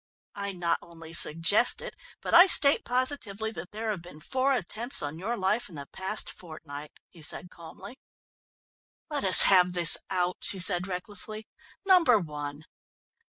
"I not only suggest it, but I state positively that there have been four attempts on your life in the past fortnight," he said calmly. "Let us have this out," she said recklessly. "Number one?"